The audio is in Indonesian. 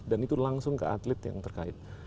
dan itu langsung ke atlet yang terkait